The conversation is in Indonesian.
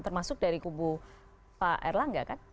termasuk dari kubu pak erlangga kan